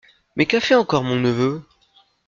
Mais qu’a fait encore mon neveu ?